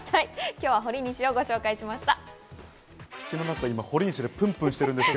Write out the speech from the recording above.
今日は、ほりにしをご紹介しました。